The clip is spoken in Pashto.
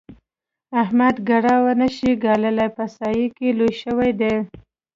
احمد کړاو نه شي ګاللای؛ په سايه کې لوی شوی دی.